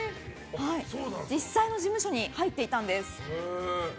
実際の事務所に入っていたんです。